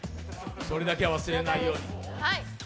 それだけは忘れないように。